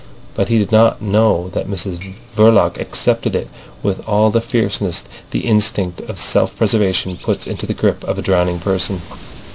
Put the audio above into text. But he did not know that Mrs Verloc accepted it with all the fierceness the instinct of self preservation puts into the grip of a drowning person.